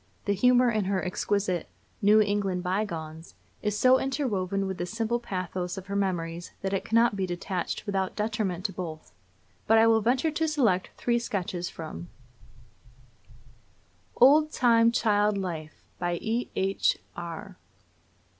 The humor in her exquisite "New England Bygones" is so interwoven with the simple pathos of her memories that it cannot be detached without detriment to both. But I will venture to select three sketches from OLD TIME CHILD LIFE. BY E.H. ARR.